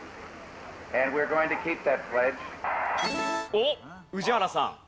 おっ宇治原さん。